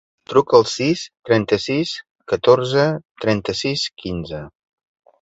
Truca al sis, trenta-sis, catorze, trenta-sis, quinze.